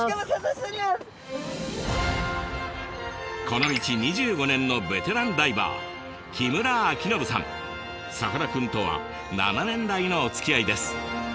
この道２５年のベテランダイバーさかなクンとは７年来のおつきあいです。